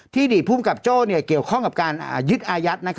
อดีตภูมิกับโจ้เกี่ยวข้องกับการยึดอายัด